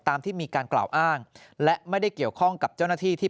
ตามที่มีการกล่าวอ้างและไม่ได้เกี่ยวข้องกับเจ้าหน้าที่ที่